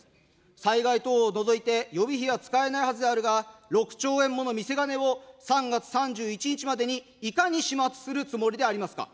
災害等を除いて、予備費は使えないはずであるが、６兆円もの見せ金を３月３１日までにいかに始末するつもりでありますか。